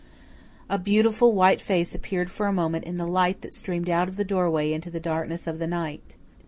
A beautiful, white face appeared for a moment in the light that streamed out of the doorway into the darkness of the night.